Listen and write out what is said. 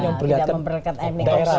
iya tidak memperlihatkan etnik